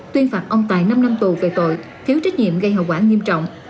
tuyên phạt ông tài năm năm tù về tội thiếu trách nhiệm gây hậu quả nghiêm trọng